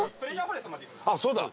あっそうだ。